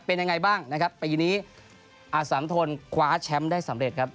เป็นยังไงบ้างปีนี้อาสัมธนภรรณ์คว้าแชมป์ได้สำเร็จครับ